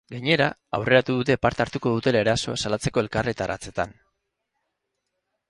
Gainera, aurreratu dute parte hartuko dutela erasoa salatzeko elkarretaratzeetan.